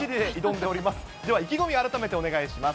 では意気込みを改めてお願いしま